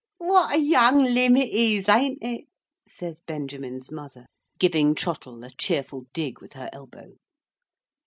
"What a young limb it is, ain't it?" says Benjamin's mother, giving Trottle a cheerful dig with her elbow.